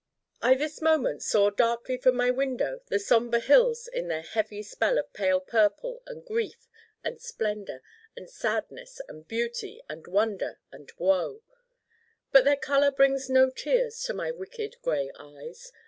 I this moment saw darkly from my window the somber hills in their heavy spell of pale purple and grief and splendor and sadness and beauty and wonder and woe. But their color brings no tears to my wicked gray eyes.